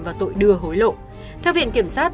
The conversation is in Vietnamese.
và tội đưa hối lộ theo viện kiểm sát